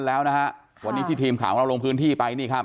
แล้วนะฮะวันนี้ที่ทีมข่าวของเราลงพื้นที่ไปนี่ครับ